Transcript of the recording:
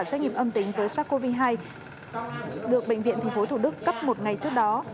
doanh nghiệp âm tính với sars cov hai được bệnh viện thủ đức cấp một ngày trước đó